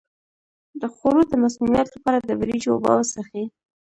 د خوړو د مسمومیت لپاره د وریجو اوبه وڅښئ